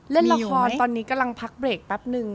เล่นละครตอนนี้กำลังพักเบรกแป๊บนึง